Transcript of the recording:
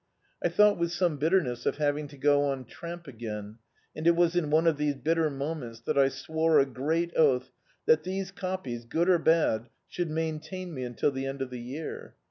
I thought with some bitterness of having to go on tramp again, and it was in one of these bitter mo* ments that I swore a great oath that these o^pies, good or bad, should maintain me until the end of the year.